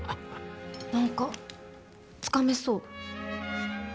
何かつかめそう。